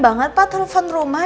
bukan vishy ketawa juga sih creatures